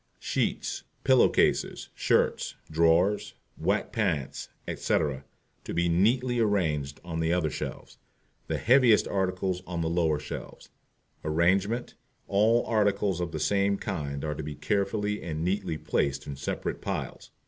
SHEETS, PILLOW CASES, SHIRTS, DRAWERS, WHITE PANTS, etc., to be neatly arranged on the other shelves, the heaviest articles on the lower shelves. Arrangement All articles of the same kind are to be carefully and neatly placed in separate piles.